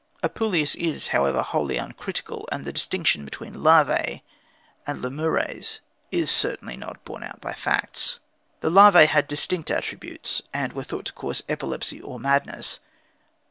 Apuleius, however, is wholly uncritical, and the distinction between Larvæ and Lemures is certainly not borne out by facts. The Larvæ had distinct attributes, and were thought to cause epilepsy or madness.